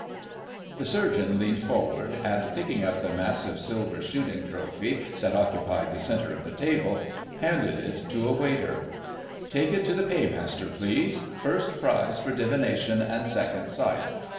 The Surgeon leaned forward, and picking up the massive silver shooting trophy that occupied the centre of the table, handed it to a waiter. "Take that to the Paymaster, please. First prize for divination and second sight.